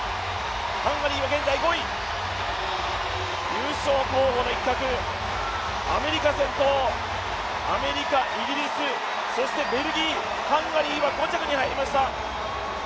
ハンガリーは現在５位、優勝候補の一角、アメリカ先頭、アメリカ、イギリス、そしてベルギー、ハンガリーは５着に入りました。